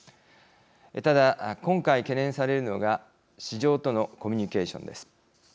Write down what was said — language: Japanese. ただ、今回懸念されるのが市場とのコミュニケーションです。